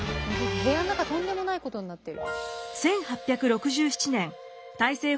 部屋の中とんでもないことになってる。